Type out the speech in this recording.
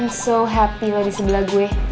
i'm so happy lah di sebelah gue